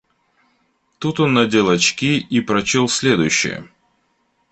Тут он надел очки и прочел следующее: